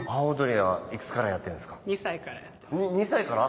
２歳から？